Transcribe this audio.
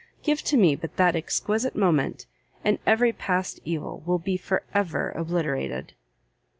give to me but that exquisite moment, and every past evil will be for ever obliterated!"